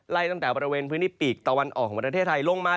ตั้งแต่บริเวณพื้นที่ปีกตะวันออกของประเทศไทยลงมา